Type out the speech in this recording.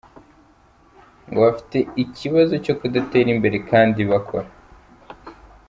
Ngo bafite ikibazo cyo kudatera imbere kandi bakora.